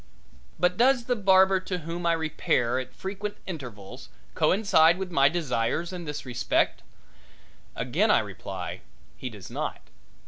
But does the barber to whom I repair at frequent intervals coincide with my desires in this respect? Again I reply he does not.